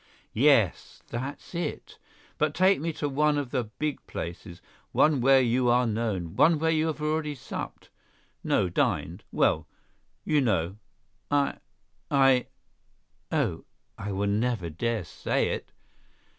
"Yes, that's it. But take me to one of the big places, one where you are known, one where you have already supped—no—dined—well, you know—I—I—oh! I will never dare say it!"